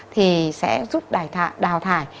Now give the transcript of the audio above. thì sẽ giúp đào thải